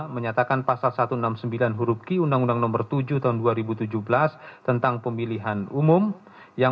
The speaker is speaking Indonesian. dua menyatakan pasal satu ratus enam puluh sembilan huruf ki undang undang nomor tujuh tahun dua ribu tujuh belas